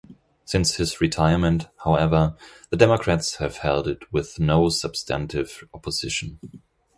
Since his retirement, however, the Democrats have held it with no substantive opposition.